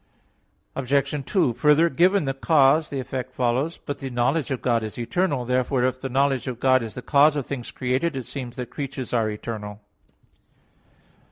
Obj. 2: Further, given the cause, the effect follows. But the knowledge of God is eternal. Therefore if the knowledge of God is the cause of things created, it seems that creatures are eternal.